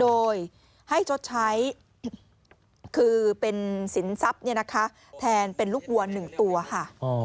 โดยให้ชดใช้คือเป็นสินทรัพย์แทนเป็นลูกวัว๑ตัวค่ะ